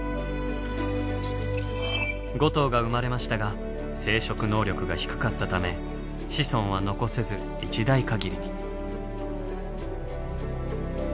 ５頭が生まれましたが生殖能力が低かったため子孫は残せず一代限りに。